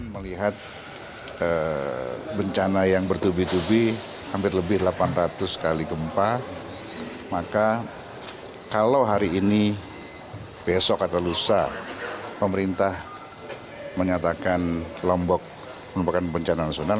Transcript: melihat bencana yang bertubi tubi hampir lebih delapan ratus kali gempa maka kalau hari ini besok atau lusa pemerintah menyatakan lombok merupakan bencana nasional